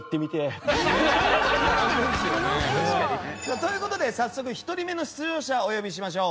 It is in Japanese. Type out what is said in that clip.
という事で早速１人目の出場者をお呼びしましょう。